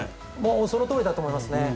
そのとおりだと思いますね。